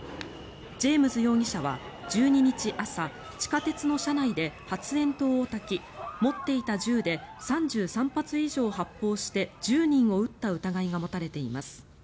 ジェームズ容疑者は１２日朝地下鉄の車内で発煙筒をたき、持っていた銃で３３発以上発砲して１０人を撃った疑いが持たれています。